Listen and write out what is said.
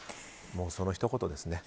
そのひと言ですね。